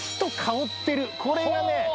これがね